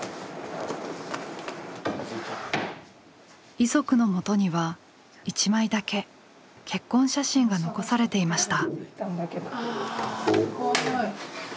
遺族のもとには１枚だけ結婚写真が残されていました。